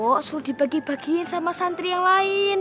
kok suruh dibagi bagiin sama santri yang lain